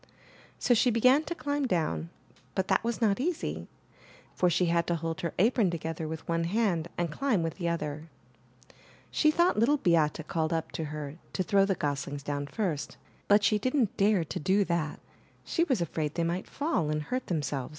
So she began to climb down, but that was not easy, for she had to hold her apron together with one hand and climb with the other. She thoug:ht Little Beate called up to her to throw the goslings down first, but she didn't dare to do that; she was afraid they might fall and hurt themselves.